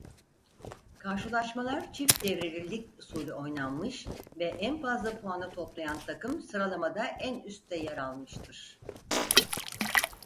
Karşılaşmalar çift devreli lig usulü oynanmış ve en fazla puanı toplayan takım sıralamada en üstte yer almıştır.